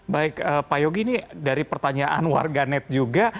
baik pak yogi ini dari pertanyaan warga net juga